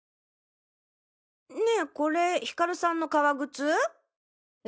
ねェこれヒカルさんの革靴？え？